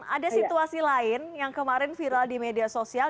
ada situasi lain yang kemarin viral di media sosial